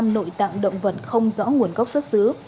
nội tạng động vật không rõ nguồn gốc xuất xứ